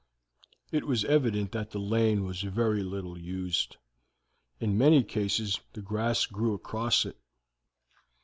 It was evident that the lane was very little used; in many cases the grass grew across it.